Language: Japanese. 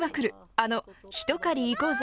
あの、ひと狩りいこうぜ！